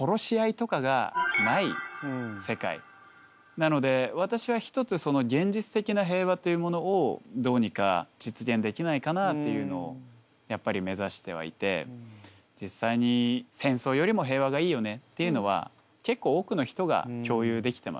なので私は一つその現実的な平和というものをどうにか実現できないかなっていうのをやっぱり目指してはいて実際に戦争よりも平和がいいよねっていうのは結構多くの人が共有できてます。